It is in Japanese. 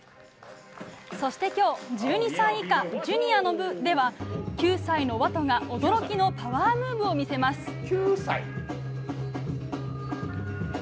そして今日１２歳以下、ジュニアの部では９歳のＷａｔｏが驚きのパワームーブを見せます。